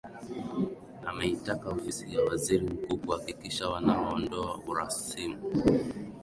Ameitaka ofisi ya waziri mkuu kuhakikisha wanaondoa urasimu